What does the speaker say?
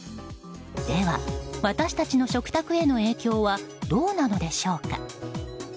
では私たちの食卓への影響はどうなのでしょうか。